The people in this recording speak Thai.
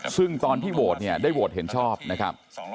ซึ่งตอนที่โหวตเนี่ยได้โหวตเห็นชอบนะครับ